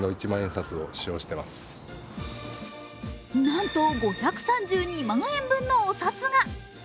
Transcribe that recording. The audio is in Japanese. なんと、５３２万円分のお札が。